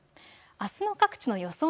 あすの各地の予想